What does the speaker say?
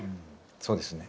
そうですね。